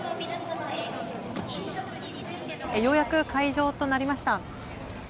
ようやく開場となりました。